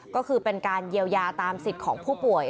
ก็คือเป็นการเยียวยาตามสิทธิ์ของผู้ป่วย